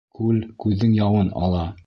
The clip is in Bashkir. Күл күҙҙең яуын ала.